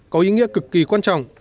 có ý nghĩa cực kỳ quan trọng